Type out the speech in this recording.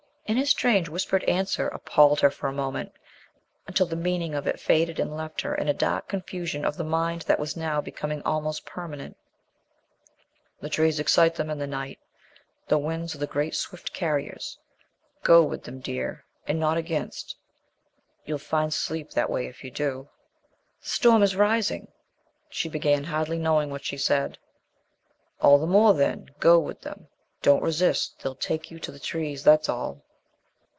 And his strange whispered answer appalled her for a moment until the meaning of it faded and left her in a dark confusion of the mind that was now becoming almost permanent. "The trees excite them in the night. The winds are the great swift carriers. Go with them, dear and not against. You'll find sleep that way if you do." "The storm is rising," she began, hardly knowing what she said. "All the more then go with them. Don't resist. They'll take you to the trees, that's all."